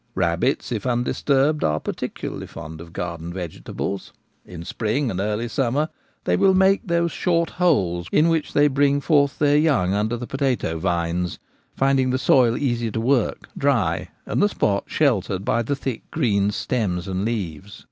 Rabbits, if undisturbed, are particularly fond of garden vegetables. In spring and early summer they will make those short holes in which they bring forth their young under the potato vines, finding the soil easy to work, dry, and the spot sheltered by the thick green stems and leaves.